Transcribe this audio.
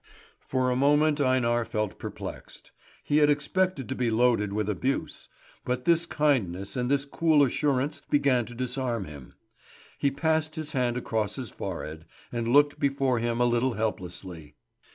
For a moment Einar felt perplexed. He had expected to be loaded with abuse; but this kindness and this cool assurance began to disarm him. He passed his hand across his forehead, and looked before him a little helplessly.